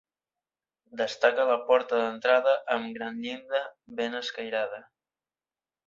Destaca la porta d'entrada amb gran llinda ben escairada.